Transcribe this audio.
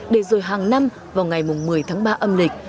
để rồi hàng năm vào ngày một mươi tháng ba âm lịch